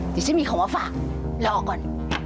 เดี๋ยวฉันมีคำว่าฝากรอก่อน